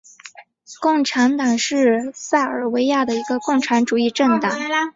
共产党是塞尔维亚的一个共产主义政党。